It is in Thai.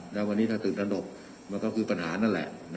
แล้ววันนี้ถ้าตื่นตนกมันก็คือปัญหานั่นแหละ